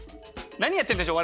何やってんでしょう？